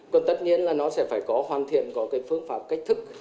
còn tất nhiên là nó sẽ phải có hoàn thiện có cái phương pháp cách thức